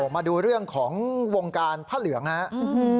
มาดูเรื่องของวงการผ้าเหลืองครับ